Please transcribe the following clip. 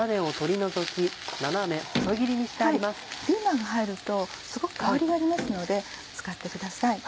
ピーマンが入るとすごく香りがありますので使ってください。